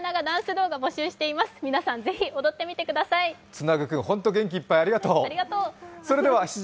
つなぐ君、ホント元気いっぱい、ありがとう。